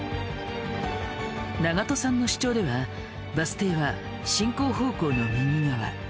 長門さんの主張ではバス停は進行方向の右側。